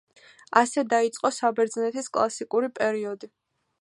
ასე დაიწყო საბერძნეთის კლასიკური პერიოდი.